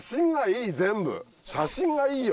写真がいいよ。